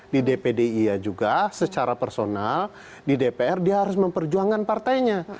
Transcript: di dpd iya juga secara personal di dpr dia harus memperjuangkan partainya